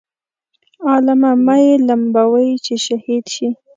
عالمه مه یې لمبوئ چې شهید شي.